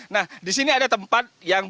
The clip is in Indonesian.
nah di sini ada tempat yang